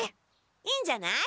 いいんじゃない。